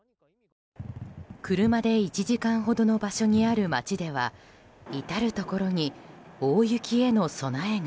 車で１時間ほどの場所にある街では至るところに大雪への備えが。